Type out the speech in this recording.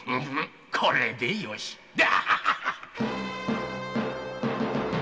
これでよしっと。